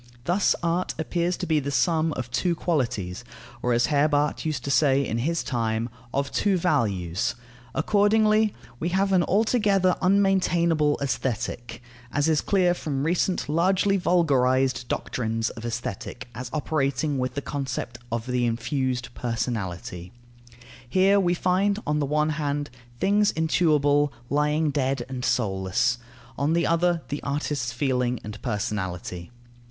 Thus art appears to be the sum of two qualities, or, as Herbart used to say in his time, of two values. Accordingly we have an altogether unmaintainable Aesthetic, as is clear from recent largely vulgarized doctrines of Aesthetic as operating with the concept of the infused personality. Here we find, on the one hand, things intuible lying dead and soulless; on the other, the artist's feeling and personality.